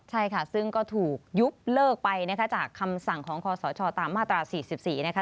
ใช่ค่ะซึ่งก็ถูกยุบเลิกไปนะคะจากคำสั่งของคอสชตามมาตรา๔๔นะคะ